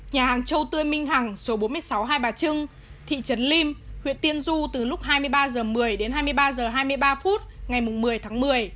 nhà hàng trâu tươi minh hằng số bốn mươi sáu hai bà trưng thị trấn lim huyện tiên du từ lúc hai mươi ba h một mươi đến hai mươi ba h hai mươi ba phút ngày một mươi tháng một mươi